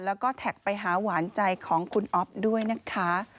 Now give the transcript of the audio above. แล้วก็แท็กไปหาหวานใจของคุณอ๊อฟด้วยนะคะ